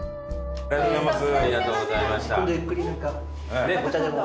ありがとうございます。